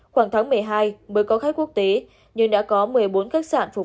khoảng tháng một mươi hai mới có khách quốc tế nhưng đã có một mươi bốn khách sạn phục